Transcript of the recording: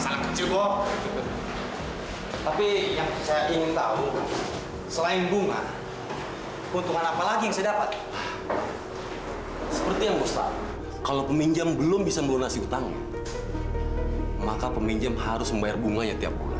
sampai jumpa di video selanjutnya